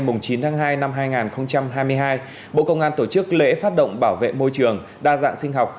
ngày chín tháng hai năm hai nghìn hai mươi hai bộ công an tổ chức lễ phát động bảo vệ môi trường đa dạng sinh học